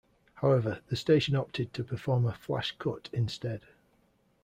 However, the station opted to perform a flash-cut instead.